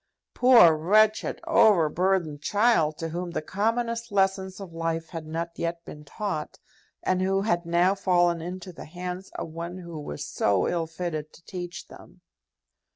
Poor, wretched, overburthened child, to whom the commonest lessons of life had not yet been taught, and who had now fallen into the hands of one who was so ill fitted to teach them!